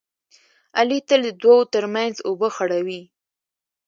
علي تل د دوو ترمنځ اوبه خړوي.